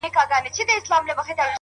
خو ما د لاس په دسمال ووهي ويده سمه زه-